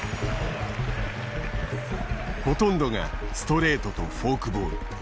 ほとんどがストレートとフォークボール。